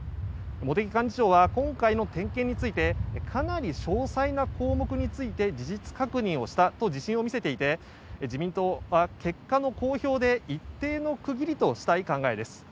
茂木幹事長は今回の点検についてかなり詳細な項目について事実確認をしたと自信を見せていて自民党は結果の公表で一定の区切りとしたい考えです。